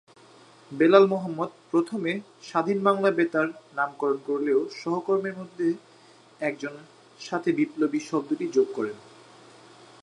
বেলাল মোহাম্মদ প্রথমে স্বাধীন বাংলা বেতার নামকরণ করলেও সহকর্মীর মধ্যে একজন সাথে বিপ্লবী শব্দটি যোগ করেন।